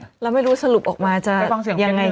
แล้วไม่รู้สรุปออกมาจะยังไง